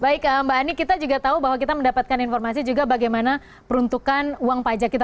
baik mbak ani kita juga tahu bahwa kita mendapatkan informasi juga bagaimana peruntukan uang pajak kita